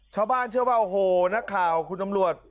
ชาวบ้านเชื่อว่าโอ้โหนักข่าวคุณตำรวจ